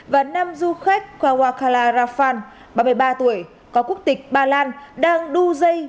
và năm du khách kwakalarafan ba mươi ba tuổi có quốc tịch bà lan đang đu dây